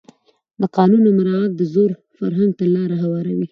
د قانون نه مراعت د زور فرهنګ ته لاره هواروي